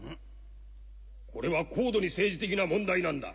これは高度に政治的な問題なんだ。